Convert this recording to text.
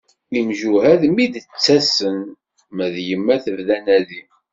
Imjuhad mi d-ttasen, ma d yemma tebda anadi.